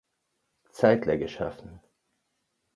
Zeidler geschaffen.